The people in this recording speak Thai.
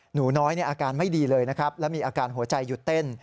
หนูน้อยอาการไม่ดีเลยนะครับแล้วมีอาการหัวใจหยุดเต้น